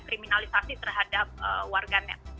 kriminalisasi terhadap warganet